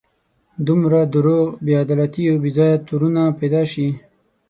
دومره دروغ، بې عدالتي او بې ځایه تورونه پیدا شي.